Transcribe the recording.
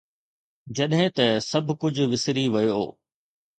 جڏهن ته سڀ ڪجهه وسري ويو.